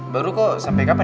baru kok sampai kapan